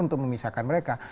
untuk memisahkan mereka